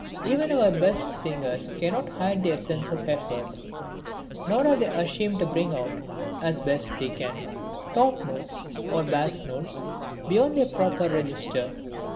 Even our best singers cannot hide their sense of effort; nor are they ashamed to bring out, as best they can, top notes or bass notes beyond their proper register.